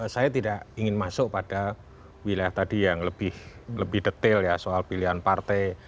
saya tidak ingin masuk pada wilayah tadi yang lebih detail ya soal pilihan partai